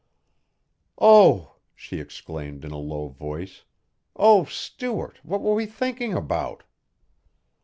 "Oh," she exclaimed in a low voice, "oh, Stuart, what were we thinking about!"